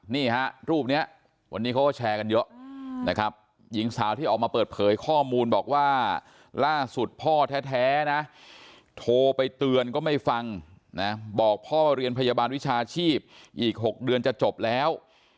นี่ฮะรูปนี้วันนี้เขาก็แชร์กันเยอะนะครับหญิงสาวที่ออกมาเปิดเผยข้อมูลบอกว่าล่าสุดพ่อแท้นะโทรไปเตือนก็ไม่ฟังนะบอกพ่อว่าเรียนพยาบาลวิชาชีพอีก๖เดือนจะจบแล้ว